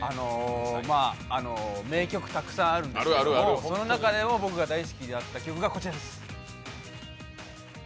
名曲たくさんあるんですけれども、その中でも僕が大好きだった曲がこちらです。